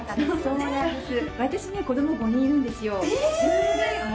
そうなんですよ！